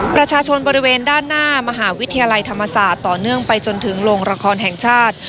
ประชาชนบริเวณด้านหน้ามหาวิทยาลัยธรรมศาสตร์ต่อเนื่องไปจนถึงโรงละครแห่งชาติ